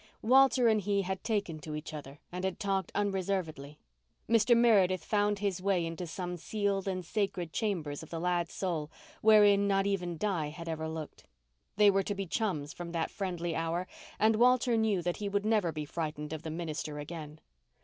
Walter and he had taken to each other and had talked unreservedly. Mr. Meredith found his way into some sealed and sacred chambers of the lad's soul wherein not even Di had ever looked. They were to be chums from that friendly hour and Walter knew that he would never be frightened of the minister again.